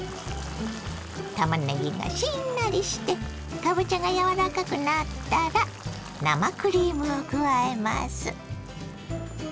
たまねぎがしんなりしてかぼちゃが柔らかくなったら生クリームを加えます。